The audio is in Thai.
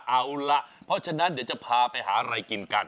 เอาล่ะเพราะฉะนั้นเดี๋ยวจะพาไปหาอะไรกินกัน